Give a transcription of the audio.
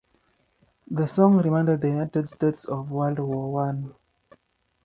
The song reminded the United States of World War One.